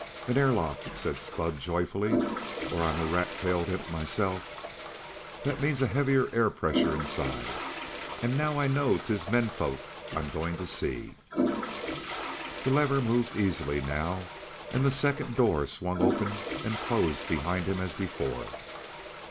"An air lock," said Spud joyfully, "or I'm a rat tailed imp myself! That means a heavier air pressure inside. And now I know 'tis men folks I'm goin' to see!" The lever moved easily now, and the second door swung open and closed behind him as before.